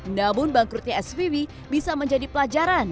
namun bangkrutnya svb bisa menjadi pelajaran